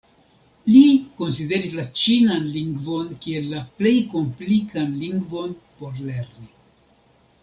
Li konsideris la ĉinan lingvon kiel la plej komplikan lingvon por lerni.